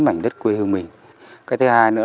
mảnh đất quê hương mình cái thứ hai nữa